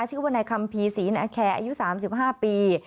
ชื่อว่านายคัมภีร์ศรีนาแคร์อายุ๓๕ปี